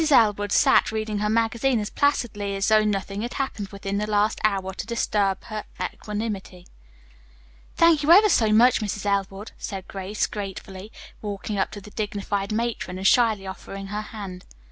Elwood sat reading her magazine as placidly as though nothing had happened within the last hour to disturb her equanimity. "Thank you ever so much, Mrs. Elwood," said Grace gratefully, walking up to the dignified matron and shyly offering her hand.